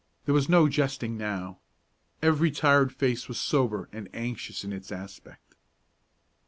There was no jesting now. Every tired face was sober and anxious in its aspect.